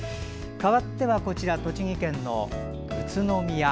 かわっては、栃木県の宇都宮。